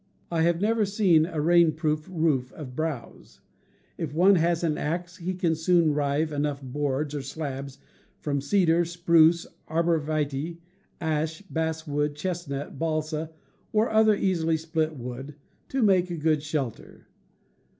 I have never seen a rain proof roof of browse. If one has an axe he can soon rive enough boards or slabs from cedar, spruce, arbor vitse, ash, basswood, chestnut, balsam, or other easily split wood, to make a good shelter.